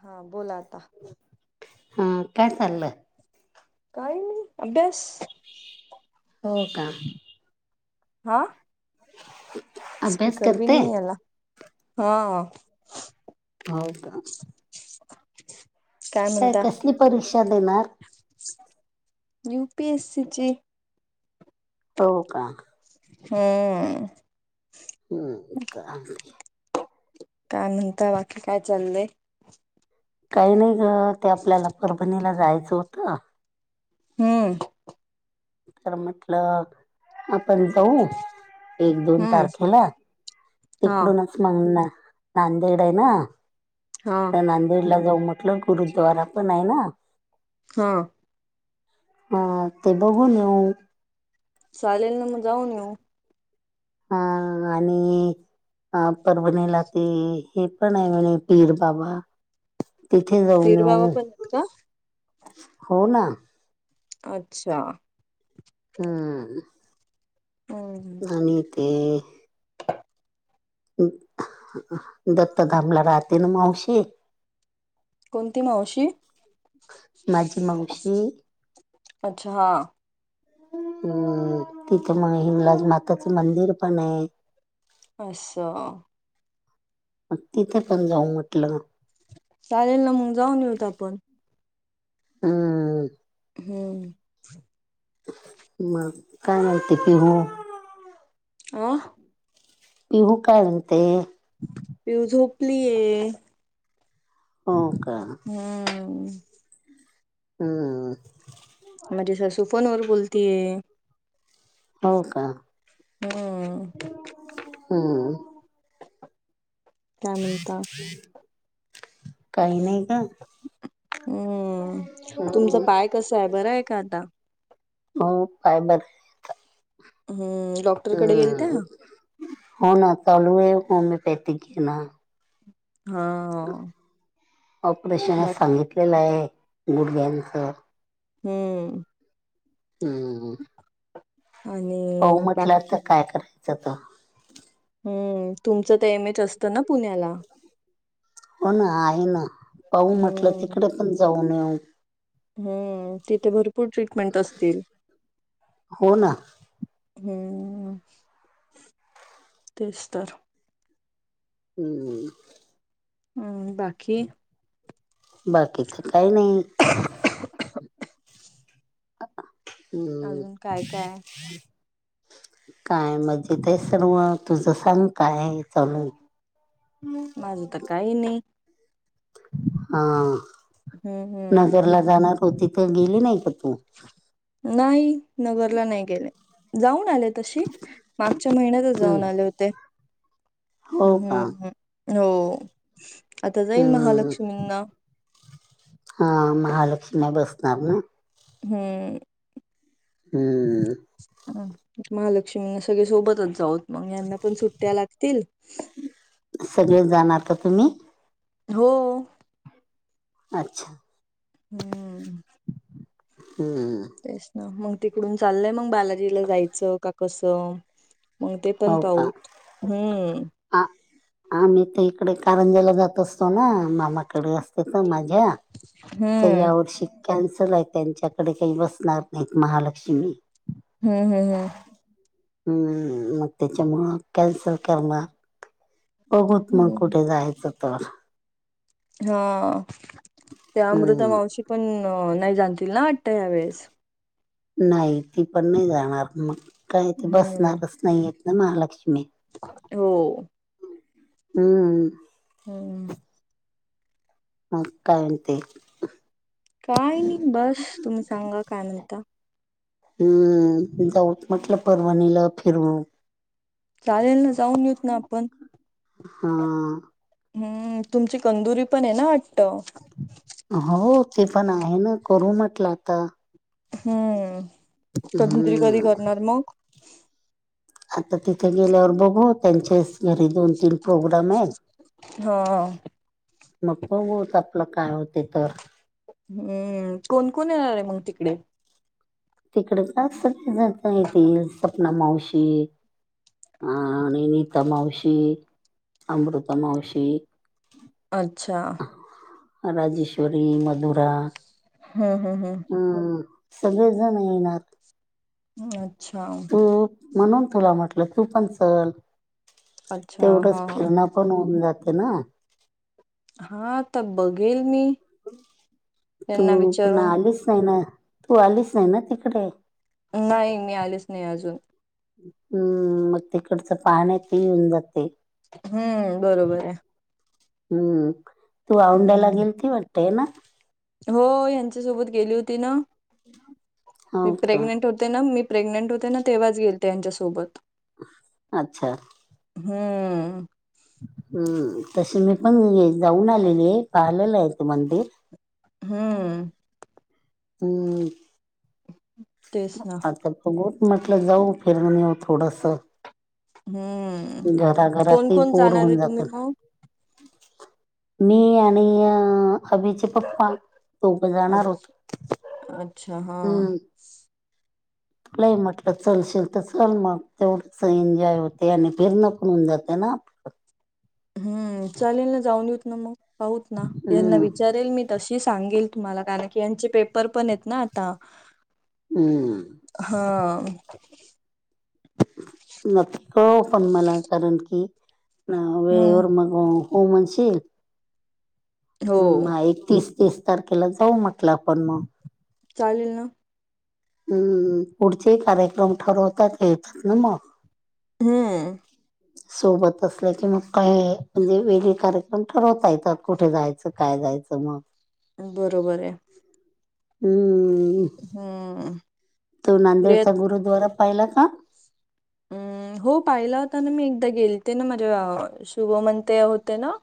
हा बोला आता हा कायसल काही नाही अभ्यास हो का हा ह स्पीकर भी नाहीला हा हो का [unintelligible] काय कसली परीक्षा देणार यु पीएस सीची हो का हा हम् का काय म्हणता बाकी काय चाललंय काही नाही ग ते आपल्याला परभणीला जायचं होतं हम्म म्हटला आपण जाऊ एक दोन हम्म तारखेला हा तिकडूनच मग नांदेड आहे ना हा आ नांदेडला जाऊ म्हटलं गुरुद्वारा पण आहे ना हा ह ते बघून येऊ चालेल ना मग जाऊन येऊ हा आणि ह परवणीला ते हे पण आहे म्हणजे पीर बाबा तिथे जाऊन पीर बाबा येऊ पण आहेत का हो ना अच्छा हम्म हम्म आणि ते दत्तधामला रात्रीन मावशी कोणती मावशी माझी मावशी अच्छा हा अम तिथे मग हिमलाज माताचं मंदिर पण आहे अच्छा मग तिथे पण जाऊ म्हटलं चालेल ना मग जाऊन येऊत आपण हम हम्म मग काय माहिती कि हो अ पिऊू कायते पिऊ झोपलीय हो का हम्म हा माझी सासूफोन वर बोलतीय हो का हम्म हम् काय म्हणता काही नाही का हम्म तुमचं हम्म पाय कससा आहे बरं आहे का आता हो काय बरं हम्म ल हम्म हो ना लूय होमिओपॅथिक घे ना हा ऑपरेशन बाक सांगितलेलं आहे गुडघ्यांचं हम्म हो हो पा आणि म्हटल्या बाकी तर काय करायचं तर हम्म तुमचं तर एम एच असतं ना पुण्याला हो ना आहे ना पाहू म्हटलं हम्म तिकडे पण जाऊन येऊ हम्म तिथे भरपूर ट्रीटमेंट असतील हो ना हम्म तेच तर हम्म बाकी बाकीथ काही नाही हम्म अजून काय काय काय मजजेत आहेच तर म तुझं सांग काय आहे चालून माझं तर काही नाही हा हम्म हम्म नगरला जाणार होती तर गेली नाही का तू नाही नगरला नाही गेले जाऊन आले तशी मागच्या महिन्यातच हम्म जाऊन आले होते हो का हम्म हम् हो आता जाईल महालक्ष्मींना ह महालक्ष्मी बसणार ना ह हम् ह महालक्ष्मीना सगळे सोबतच जाऊत मग यांना पण सुट्ट्या लागतील सगळेजण आता तुम्ही हो अच्छा हम्म हम् ह तेच ना मग तिकडून चाललंय मग बालाजीला जायचं का कसं. मग ते पण पाहू हम्म हा आा मी तर इकडे कारंजाला जात असतो ना मामाकडे असते तर माझ्या तर हम्म यावर्षी कॅन्सल आहे त्यांच्याकडे काही बसणार नाहीत महालक्ष्मी हम्म हम् हम् हम्म मग त्याच्यामुळ कॅन्सल करणार. बघूत मग हम्म कुठे जायचं तर हा त्या अमृता हम्म, मावशी पण नाही जातीन ना वाटतं या वेळेस नाही ती पण नाही जाणार मग काय ते हम्म बसणारच नाही येत ना महालक्ष्मी हो हम्म हमम म काय ते काय नाही बस तुम्ही सांगा काय नणता हम्म जाऊत म्हटलं परवाणीला फिरवून चालेल ना जाऊन यत ना आपण हा हम्म तुमची कंदुरी पण आहे ना वाटत हो ते पण आहे ना करू म्हटलं आता हम्म कधून तरी कधी हम्म करणार मग आता तिथे गेल्यावर बघू त्यांच्या घरी दोन तीन प्रोग्राम आहेत हा मग बघत आपलं काय होते तर हम्म कोण कोण येणार आहे मग तिकडे तिकडं का? सगळजण येतील सपना मावशी नैनिता मावशी अमृता मावशी अच्छा राजेश्वरी मदुरा हम हम हम हम् सगळेच जण येणार. अच्छा म्हणून तुला म्हटलं तू पण चल अच्छा तेवढंच हा फिरणं. कोण उम जाते ना हा तर बघेल मी तू त्यांना पुन्हा विचारून आलीस नाही ना तू आलीस नाही ना तिकडे नाही मी आलेच नाही अजून हम्म मग तिकडचं पाहण आहे ते येऊन जाते. हम्म बरोबर आहे. हम्म तू औंड्याला हम्म गेलीती वाटतेय ना हो यांच्या सोबत गेली होती ना मी हो का प्रेग्नेंट होते. मी प्रेग्नेंट होते ना तेव्हाच गेल त्यांच्यासोबत अच्छा हम्म हम्म तशी मी पण जाऊन आलेली आहे पाहिलेलं आहे मंदिर हम् हम् तेच ना आता गोट म्हटलं जाऊ फिरून येऊ थोडंसं हम्म कोण घराघरात कोण बोर जाणार होऊन आहे जात तुम्ही मग? मी आणि अ अभिचे पप्पा सोप जाणार अच्छ होत अच्छा हा. हम्म तुलाही म्हटलं चलशील तर चल मग तेवढंच एन्जॉय होते आणि फिरणं होऊन जाते ना, हम्म चालेल ना जाऊन येऊत ना मग पाहत ना यांना हम्म विचारेल मी तशी सांगेल तुम्हाला कारण की यांचे पेपर पण आहेत ना आता, हम्म हा न कळव पण मला कारण की हम्म वेळेवर मग, हो हो म्हणशील, हो हम् एकतीस तीस तारखेला जाऊ म्हटलं आपण मग, चालेल ना, हम्म पुढचे कार्यक्रम ठरवतायेत ना मग, हम्म सोबत असल्या की मग काय म्हणजे वेगळी कारक पण ठरवता येतात कुठे जायचं काय जायचं मग, बरोबर आहे. हम्म हम् तो नांदेडचा गुरुद्वारा पाहिला का? हम् हो पाहिला होता ना मी एकदा गेलते ना माझ्या शुभमनते होते ना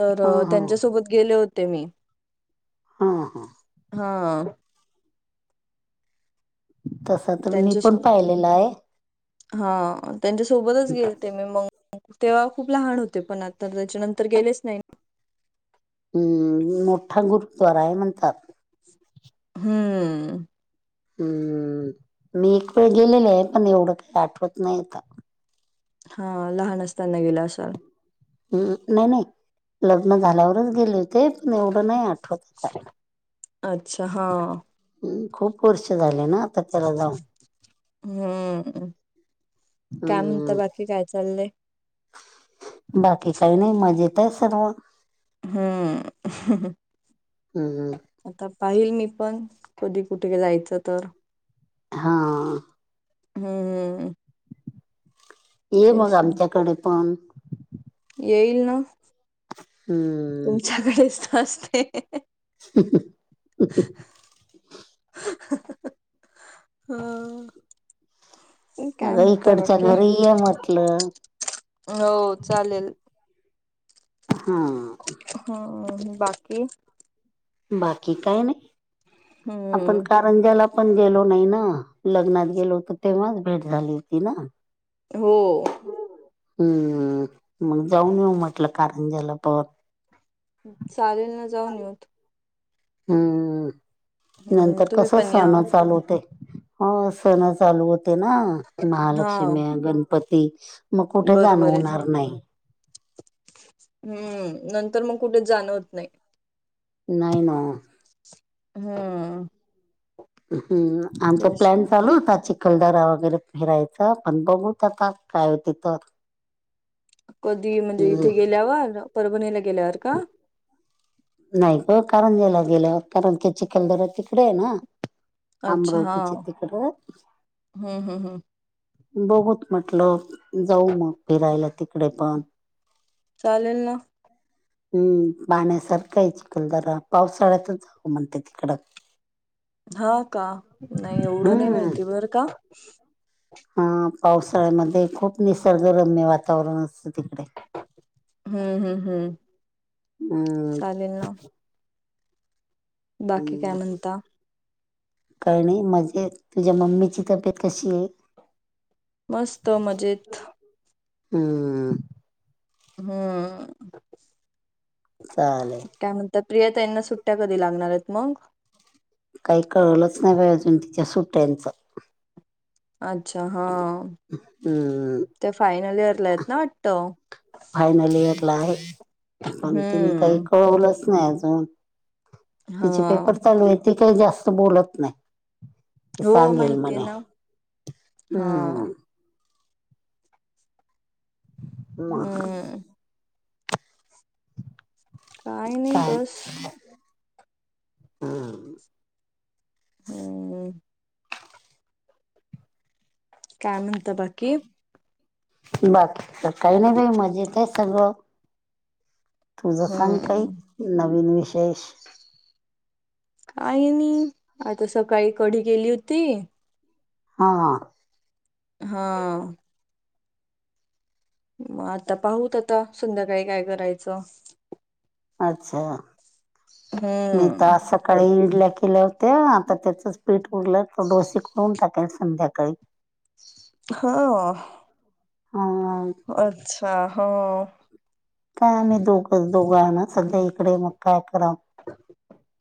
तर हा हा त्यांच्यासोबत गेले होते मी हम ह हा तस तर मी पण पाहिलेलं आहे. हा त्यांच्या सोबतच गेलते मी मग तेव्हा खूप लहान होते पण आता, तर त्याच्यानंतर गेलेच नाही. हम् मोठा गुरुद्वारा आहे म्हणतात, हम्म हम्म मी एक वेळ गेलेले आहे पण एवढं काही आठवत नाहीत. हा लहान असताना गेलं असाल, हम् नाही नाही लग्न झाल्यावरच गेले होते पण एवढं नाही आठवत आता, अच्छा हा, ह् खूप वर्ष झाले ना, त्याला जाऊन हम्म, काय म्हणत हम्म बाकी काय चाललंय, बाकी काही नाही मजेत आहे सर्व, हम्म, हम् हम आता पाहिल मी पण कधी कुठे जायचं तर, हा, हम्म हम, ये मग ना. आमच्याकडे पण, येईल ना, हम्म, तुमच्याकडेच ना असते, [unintelligible] हा, अग ईकडच्या घरी ये म्हटलं, हो चालेल, हां हम बाकी बाकी काय नाही आपण हं, का रंजाला पण गेलो नाही ना लग्नात गेलो होत तेव्हाच भेट झाली होती ना हो हम्म मग जाऊन येऊ म्हटलं कारण ज्याला प चालेल ना जाऊन ये होत हम्म हम्म नंतर तुम्ही कस पण या सहणं चालूते हो सण चालू होते ना हा महालक्ष्मी गणपती मग कुठे बरोबर आहे जाणवणार नाही हम्म नंतर मग कुठेच जाण होत नाही नाहीयन हा हम्म आमचा प्लॅन ना चालू होता कलदरावर वगैरे फिरायचं पण बघू आता काय हो त तर कधी म्हणजे हम्म इथे गेल्यावर परभणीला गेल्यावर का नाही ग कारंजीला गेलं कारं ते चिखलदरा तिकडे आहे ना अच्छा हा अमरावतीच्या तिकडे हम्म हम्म हम्म, बहुत मतलब, जाऊ मग फिरायला तिकडे पण, चालेल ना हम्म पाण्यासारखा आहे चिकलदरा पावसाळ्यातच, हो म्हणते तिकड, हा का नाही एवढं नाही हम्म माहिती बर का, हा पावसाळ्यामध्ये खूप निसर्गरम्य वातावरण असतं तिकडे, हम्म हम्म हम्म ह चालेल ना बाकी काय ह म्हणता कारणे म्हजे तुझ्या मम्मीची तब्येत कशी आहे मस्त मजेत हम हम चाले काय म्हणतात प्रिया त्यांना सुट्ट्या कधी लागणार आहेत मग काही कळलंच नाही बा अजून तिच्या सुट्ट्यांचं अच्छा हा हम्म त्या फायनल इयरला आहेत ना आटत फायनल इयरला आहे पण तिने काही हम्म कळवलंच नाही अजून हा तिचे पेपर चालू आहे ती काही जास्त बोलत नाही हो सांगेल माहितीय मणे ना हा हम्म मग हम्म काही नाही काय बस हम हम काय म्हणताय बाकी बाकी काही नाही बाई मजेत आहे सगळं तुझ सांग काही हम्म नवीन विशेष आहेई न आता सकाळी कढी गेली होती हा हा मग आता पाहूत आता संध्याकाळी काय करायचं अच्छा मी हम्म आसा सकाळी इडल्या केल्या होत्या आता त्याचंच पीठ उरलं तर डोसे करून टाकेल संध्याकाळी हा हो अच्छा हा काय आम्ही दोघेच दोघ आहे ना सध्या मग इकडे काय कराव.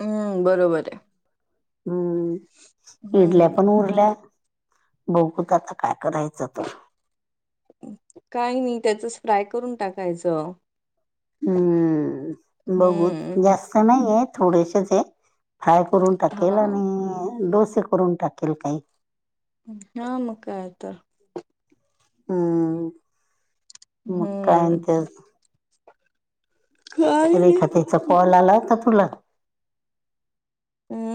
हम्म बरोबर आहे हम्म इडल्या पण हम्म उरल्या बघकुत आता काय करायचं चतर काही नाही त्याच फ्राय करून टाकायचं हम्म बघू हम्म जास्त नाही आहे थोडेसेच आहे फ्राय करून हा टाकेल आणि डोसे करून टाकेल काही हा मग काय तर हम्म काय हम्म म्हणते अजून काही रेखा नाही त्याचा कॉल आलाय का तुला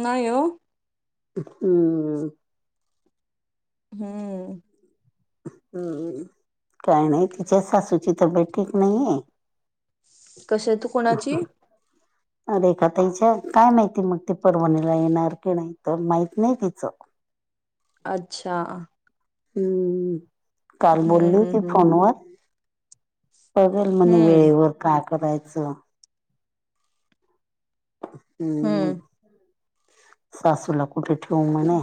नाही हो हम्म हम्म हम्म काय नाही तिच्या सासूची तब्येत ठीक नाहीये कसे तू कोणाची रेखा ताई च काय माहिती मग ती परभणीला येणार की नाही तर माहीत नाही तीच अच्छा हम्म काय हम्म बोलली हम्म ती हम्म फोनवर बघल म्हणे हम्म वेळेवर काय करायचं हम्म सासूला कुठे ठेव म्हणे